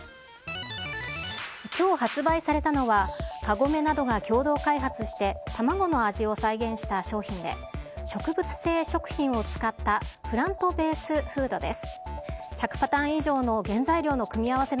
きょう発売されたのは、カゴメなどが共同開発して、卵の味を再現した商品で、植物性食品を使ったプラントベースフードです。